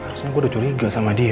harusnya gue udah curiga sama dia